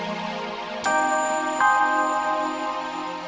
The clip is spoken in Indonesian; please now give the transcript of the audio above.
hidayah yang membuka mata hati kita